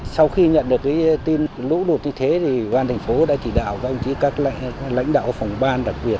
sau khi nhận được tin lũ lụt như thế thì quan thành phố đã chỉ đạo các lãnh đạo phòng ban đặc biệt